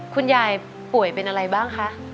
คุณยายป่วยเป็นอะไรบ้างคะ